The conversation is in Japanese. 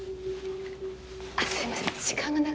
あっすいません